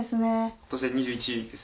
今年で２１です。